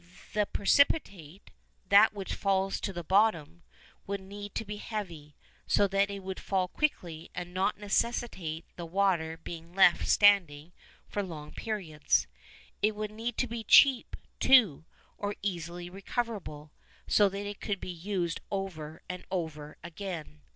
The precipitate that which falls to the bottom would need to be heavy, so that it would fall quickly and not necessitate the water being left standing for long periods. It would need to be cheap, too, or easily recoverable, so that it could be used over and over again.